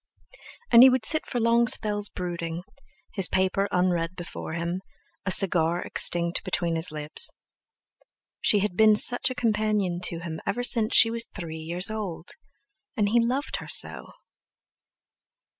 And he would sit for long spells brooding, his paper unread before him, a cigar extinct between his lips. She had been such a companion to him ever since she was three years old! And he loved her so!